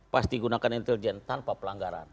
pasti gunakan intelijen tanpa pelanggaran